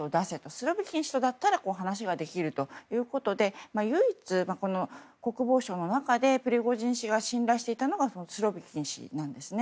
スロビキン氏とだったら話ができるということで唯一、国防省の中でプリゴジン氏が信頼していたのがスロビキン氏なんですね。